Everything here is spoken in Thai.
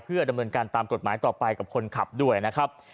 ดำเนินการตามกฎหมายต่อไปกับคนขับด้วยนะครับ